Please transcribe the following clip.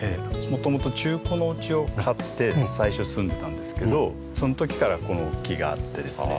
元々中古の家を買って最初住んでたんですけどその時からこの木があってですね。